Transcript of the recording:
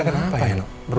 ada lagi persoalan baru